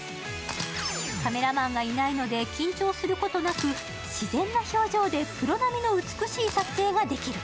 カメラマンがいないので、緊張することなく自然な表情でプロ並みの美しい撮影ができる。